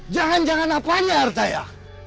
jangan jangan apanya artaya